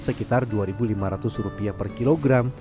sekitar rp dua lima ratus per kilogram